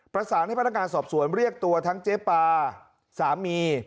ประสานให้พนักงานสอบสวนเรียกตัวทั้งเจ๊ปาสามี